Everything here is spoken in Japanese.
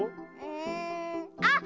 んあっ